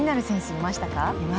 いました。